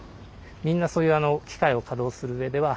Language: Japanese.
みんなそういう機械を稼働する上では。